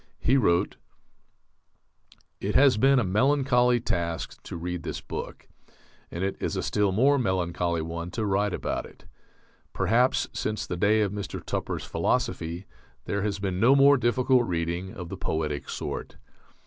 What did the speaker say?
He wrote: It has been a melancholy task to read this book; and it is a still more melancholy one to write about it. Perhaps since the day of Mr. Tupper's "Philosophy" there has been no more difficult reading of the poetic sort.